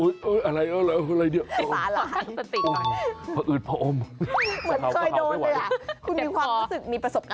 เหมือนเคยโดนคุณมีความรู้สึกมีประสบการณ์ตรงไหม